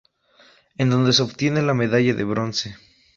En donde se obtiene la medalla de bronce.